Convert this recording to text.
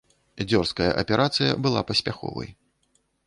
Дзёрзкая аперацыя была паспяховай.